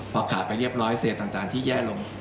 พอขาดไปเรียบร้อยเศษต่างที่แย่ลง